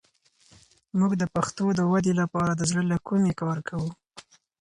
موږ د پښتو د ودې لپاره د زړه له کومې کار کوو.